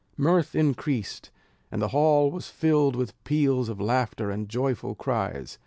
Mirth increased, and the hall was filled with peals of laughter and joyful cries.